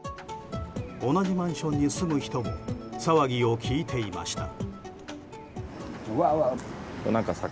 同じマンションに住む人も騒ぎを聞いていました。